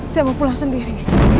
saya mau pulang sendiri